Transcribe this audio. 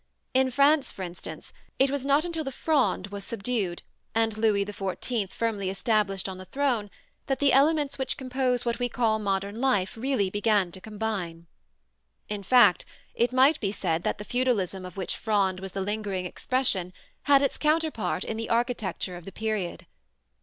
In France, for instance, it was not until the Fronde was subdued and Louis XIV firmly established on the throne, that the elements which compose what we call modern life really began to combine. In fact, it might be said that the feudalism of which the Fronde was the lingering expression had its counterpart in the architecture of the period.